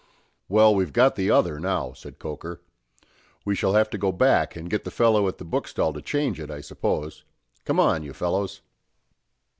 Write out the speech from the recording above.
"Well, we've got the other now," said Coker. "We shall have to go back and get the fellow at the bookstall to change it, I suppose. Come on, you fellows!"